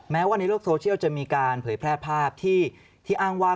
ว่าในโลกโซเชียลจะมีการเผยแพร่ภาพที่อ้างว่า